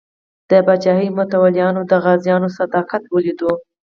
د پاچاهۍ متولیانو د غازیانو صداقت ولیدو.